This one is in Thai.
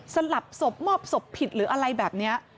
สลับศพมอบศพผิดหรืออะไรแบบนี้